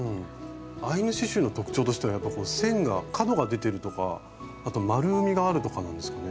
アイヌ刺しゅうの特徴としてはやっぱこう線が角が出てるとかあとまるみがあるとかなんですかね？